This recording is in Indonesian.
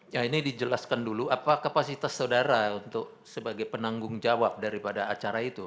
ya ini dijelaskan dulu apa kapasitas saudara untuk sebagai penanggung jawab daripada acara itu